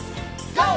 ＧＯ！